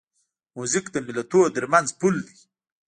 موزیک د ملتونو ترمنځ پل دی.